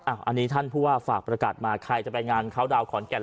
อันนี้ท่านผู้ว่าฝากประกาศมาใครจะไปงานเขาดาวนขอนแก่น